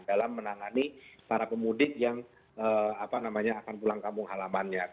dalam menangani para pemudik yang akan pulang kampung halamannya